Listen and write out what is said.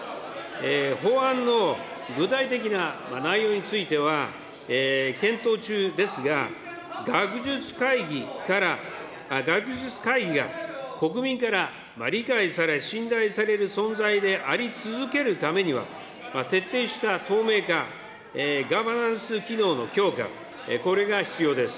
法案の具体的な内容については検討中ですが、学術会議が国民から理解され、信頼される存在であり続けるためには、徹底した透明化、ガバナンス機能の強化、これが必要です。